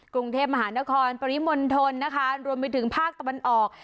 กรุงเทพมหานครปริมณฑลนะคะรวมไปถึงภาคตะวันออก